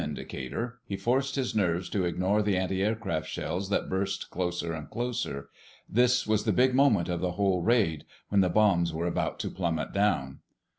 indicator. He forced his nerves to ignore the antiaircraft shells that burst closer and closer. This was the big moment of the whole raid—when the bombs were about to plummet down.